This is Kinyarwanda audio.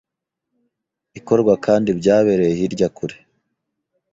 ikorwa kandi byabererye hirya kure